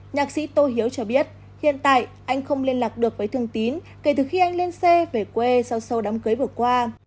nhạc sĩ tô hiếu cho biết hiện tại anh không liên lạc được với thương tín kể từ khi anh lên xe về quê sau đám cưới vừa qua